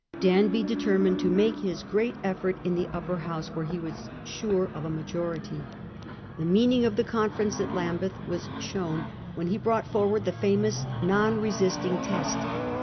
Danby determined to make his great effort in the Upper House, where he was sure of a majority. The Non meaning of the conference at Lambeth was >assed by CSt shown when he brought forward the famous the Lords. ' Non resisting Test.